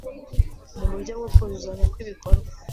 mu buryo bwo kuzuzanya kwibikorwa